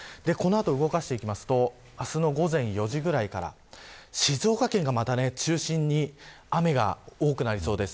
この後、動かしていきますと明日の午前４時くらいから静岡県がまた中心に雨が多くなりそうです。